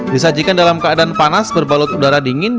disajikan dalam keadaan panas berbalut udara dingin